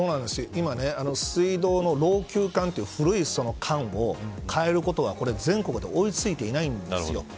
今、水道の老朽管という古い管を変えることは全国で追いついていないんです。